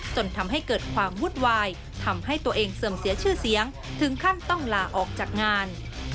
จนทำให้เกิดความวุ่นวายทำให้ตัวเองเสื่อมเสียชื่อเสียงถึงขั้นต้องลาออกจากงาน